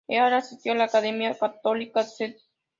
Heard asistió a la Academia católica St.